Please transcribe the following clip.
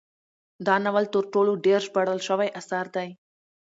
دا ناول تر ټولو ډیر ژباړل شوی اثر دی.